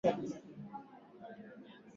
hiyo ya maisha pamoja na miaka thelathini